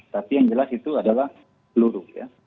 tapi yang jelas itu adalah peluru ya